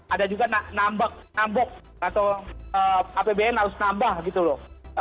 ada juga nambak nambok atau apbn harus nambah gitu loh